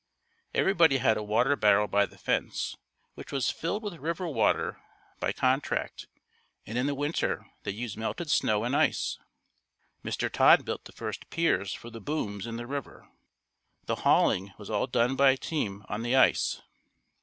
Everybody had a water barrel by the fence which was filled with river water by contract and in the winter they used melted snow and ice. Mr. Todd built the first piers for the booms in the river. The hauling was all done by team on the ice.